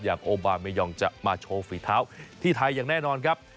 โอบาเมยองจะมาโชว์ฝีเท้าที่ไทยอย่างแน่นอนครับ